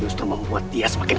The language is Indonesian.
usaha catatan ini